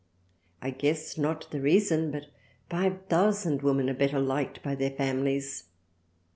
I guess not the reason but five thousand Women are better liked by their families."